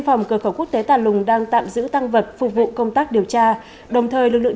phòng cửa khẩu quốc tế tà lùng đang tạm giữ tăng vật phục vụ công tác điều tra đồng thời lực lượng